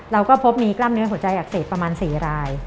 เราก็พบมีกล้ามเนื้อหัวใจอักเสบประมาณ๔ราย